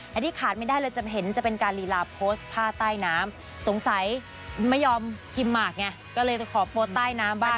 อันนี้ขาดไม่ได้เลยจะเห็นจะเป็นการลีลาโพสต์ท่าใต้น้ำสงสัยไม่ยอมพิมพ์หมากไงก็เลยไปขอโพสต์ใต้น้ำบ้าง